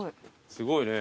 すごいね。